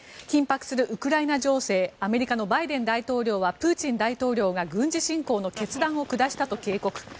緊迫するウクライナ情勢アメリカのバイデン大統領はプーチン大統領が軍事侵攻の決断を下したと警告。